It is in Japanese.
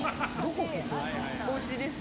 ここ・おうちです。